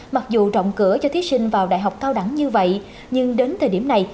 mặc dù rộng cửa cho thí sinh vào đại học cao đẳng như vậy nhưng đến thời điểm này